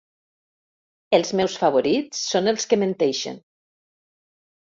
Els meus favorits són els que menteixen.